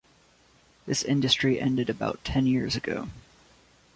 This industry ended about ten years ago.